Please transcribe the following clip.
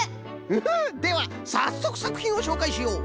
フフッではさっそくさくひんをしょうかいしよう。